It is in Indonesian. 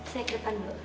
saya ke depan dulu